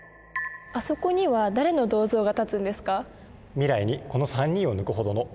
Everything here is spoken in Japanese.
あそこには誰の銅像が立つんですか？